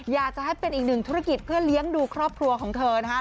อยากจะให้เป็นอีกหนึ่งธุรกิจเพื่อเลี้ยงดูครอบครัวของเธอนะคะ